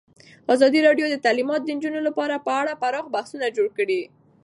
ازادي راډیو د تعلیمات د نجونو لپاره په اړه پراخ بحثونه جوړ کړي.